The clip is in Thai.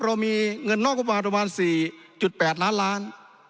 เรามีเงินนอกก็ประมาณ๔๘ล้านล้าน